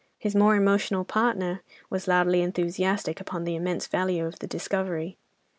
His more emotional partner was loudly enthusiastic upon the immense value of the discovery.